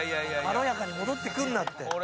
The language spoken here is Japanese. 軽やかに戻ってくんなって。